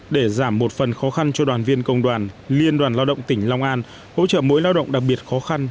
để giảm một phần khó khăn cho đoàn viên công đoàn liên đoàn lao động tỉnh long an hỗ trợ mỗi lao động đặc biệt khó khăn